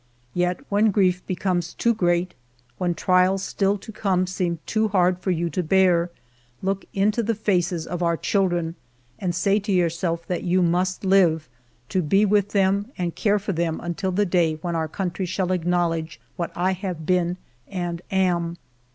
Yet when grief becomes too great, when trials still to come seem too hard for you to bear, look into the faces of our children and say to yourself that you must live, to be with them and care for them until the day when our country shall acknowledge what I have been and am.